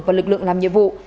và lực lượng làm nhiệm vụ